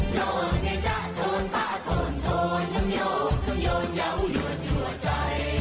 โน่นเกจาโทนป่าโทนโทนทั้งโยงทั้งโยนเยาว์ยวดหัวใจ